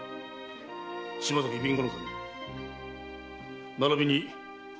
島崎備後守ならびに野沢織部。